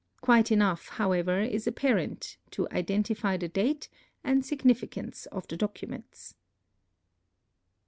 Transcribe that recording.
Quite enough, however, is apparent to identify the date and significance of the documents.